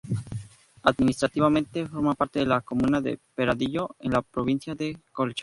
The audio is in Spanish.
Administrativamente, forma parte de la comuna de Peralillo, en la provincia de Colchagua.